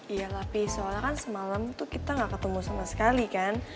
iya tapi soalnya kan semalam itu kita gak ketemu sama sekali kan